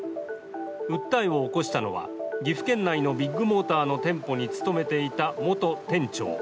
訴えを起こしたのは岐阜県内のビッグモーターの店舗に勤めていた元店長。